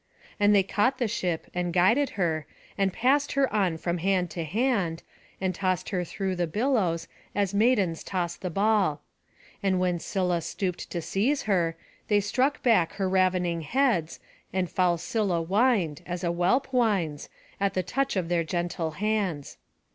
And they caught the ship, and guided her, and passed her on from hand to hand, and tossed her through the billows, as maidens toss the ball. And when Scylla stooped to seize her, they struck back her ravening heads, and foul Scylla whined, as a whelp whines, at the touch of their gentle hands.